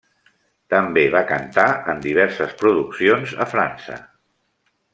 També va cantar en diverses produccions a França.